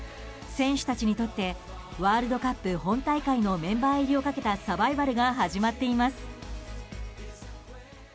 選手たちにとってワールドカップ本大会のメンバー入りをかけたサバイバルが始まっています。